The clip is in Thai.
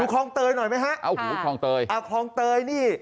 คลองเตยหน่อยไหมฮะเอาหูคลองเตยอ่าคลองเตยนี่